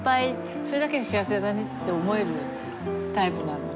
それだけで幸せだねって思えるタイプなので。